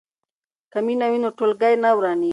که مینه وي نو ټولګی نه ورانیږي.